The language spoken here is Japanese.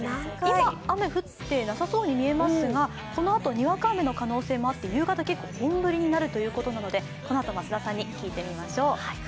今、雨降ってなさそうに見えますが、このあとにわか雨の可能性もあって夕方、結構、本降りになるということなので、このあと増田さんに聞いてみましょう。